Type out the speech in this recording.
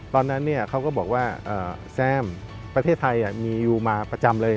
ตอนนั้นเขาก็บอกว่าแซมประเทศไทยมียูมาประจำเลย